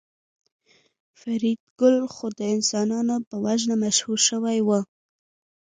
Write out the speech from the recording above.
فریدګل خو د انسانانو په وژنه مشهور شوی و